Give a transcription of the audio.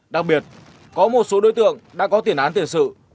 đặc biệt có một số đối tượng đã có tiền án tiền sự